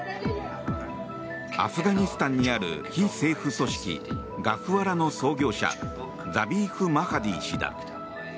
アフガニスタンにある非政府組織ガフワラの創業者ザビーフ・マハディ氏だ。